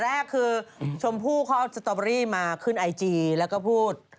แรกคือชมภู่ครอบสโตเบอร์รี่มาขึ้นไอจีและก็พูด